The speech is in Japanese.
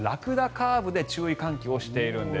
カーブで注意喚起をしているんです。